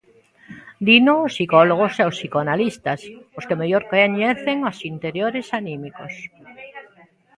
Dino os psicólogos e os psicanalistas, os que mellor coñecen os interiores anímicos.